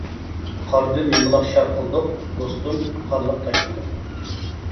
قاردىن يۇمىلاق شار قىلدۇق، دوستۇم قارلىق تاشلىدۇق.